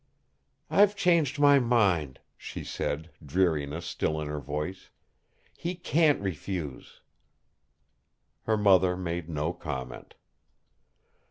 "I've changed my mind," she said, dreariness still in her voice. "He can't refuse." Her mother made no comment.